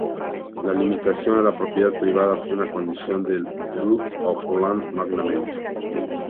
La limitación a la propiedad privada fue una condición del Bureau of Land Management.